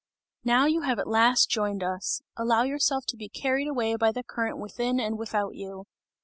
"Now you have at last joined us! Allow yourself to be carried away by the current within and without you!"